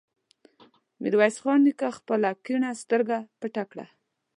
ميرويس خان خپله کيڼه سترګه پټه کړه.